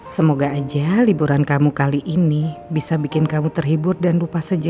semoga aja liburan kamu kali ini bisa bikin kamu terhibur dan lupa sejah